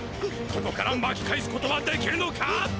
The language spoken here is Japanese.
ここからまき返すことはできるのか！